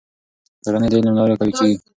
کورنۍ د علم له لارې قوي کېږي.